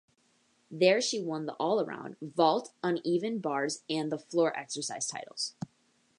There she won the all around, vault, uneven bars, and floor exercise titles.